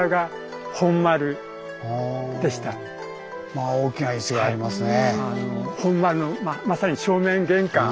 まあ大きな石がありますね。